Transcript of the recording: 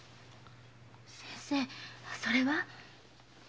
先生それは？